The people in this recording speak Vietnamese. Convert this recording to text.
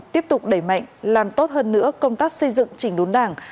tiếp tục đẩy mạnh làm tốt hơn nữa công tác xây dựng chỉnh đốn đảng